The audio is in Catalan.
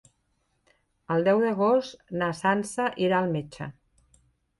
El deu d'agost na Sança irà al metge.